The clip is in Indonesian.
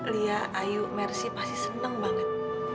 lia ayu mercy pasti senang banget